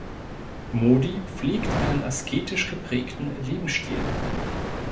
Modi pflegt einen asketisch geprägten Lebensstil.